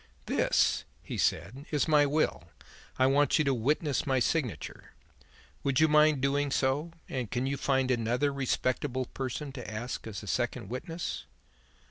'This,' he said, 'is my will. I want you to witness my signature. Would you mind doing so, and can you find another respectable person to act as the second witness?'